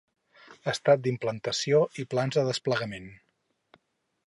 Estat d'implantació i plans de desplegament.